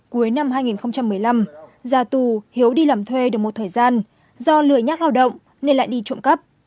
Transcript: cuối năm hai nghìn một mươi năm ra tù hiếu đi làm thuê được một thời gian do lừa nhác lao động nên lại đi trộm cắp